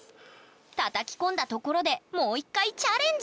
たたき込んだところでもう一回チャレンジ！